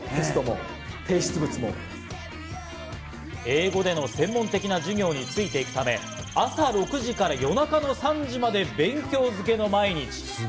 英語での専門的な授業についていくため、朝６時から夜中の３時まで勉強漬けの毎日。